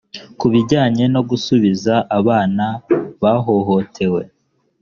ku bijyanye no gusubiza abana bahohotewe